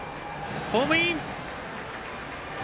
ホームイン！